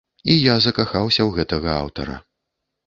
І я закахаўся ў гэтага аўтара.